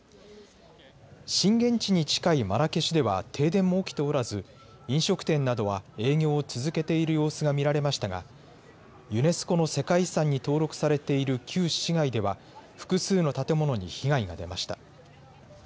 震源地に近いマラケシュでは停電も起きておらず飲食店などは営業を続けている様子が見られましたがユネスコの世界遺産に登録されている旧市街では複数の建物に被害が出ました。